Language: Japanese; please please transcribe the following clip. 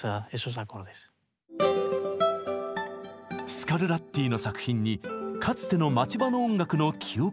スカルラッティの作品にかつての町場の音楽の記憶を見つけ出す。